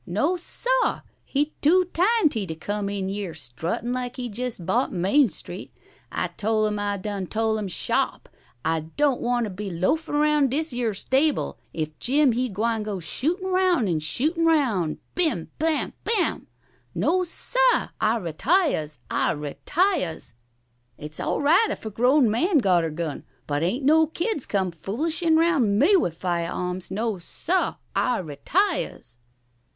No, seh, he too tinety t' come in yere er struttin' like he jest bought Main Street. I tol' 'im. I done tol' 'im shawp. I don' wanter be loafin' round dis yer stable if Jim he gwine go shootin' round an' shootin' round blim blam blim blam! No, seh. I retiahs. I retiahs. It's all right if er grown man got er gun, but ain't no kids come foolishin' round me with fiah awms. No, seh. I retiahs."